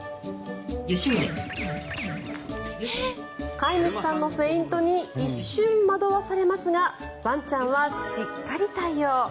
飼い主さんのフェイントに一瞬惑わされますがワンちゃんはしっかり対応。